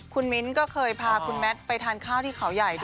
คุณมิ้นท์ก็เคยพาคุณแมทไปทานข้าวที่เขาใหญ่ด้วย